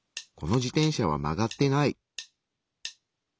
この自転車は曲がってない！